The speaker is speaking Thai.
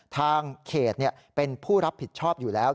ทางเขตเป็นผู้รับผิดชอบอยู่แล้ว